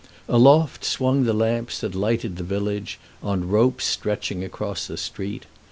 Aloft swung the lamps that lighted the village, on ropes stretching across the street.